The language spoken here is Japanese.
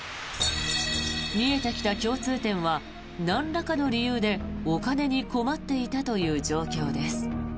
見えてきた共通点はなんらかの理由でお金に困っていたという状況です。